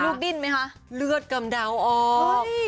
ดิ้นไหมคะเลือดกำเดาออก